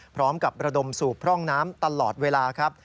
พร้อมกับระดมสูบพร่องน้ำตลอดเวลาครับ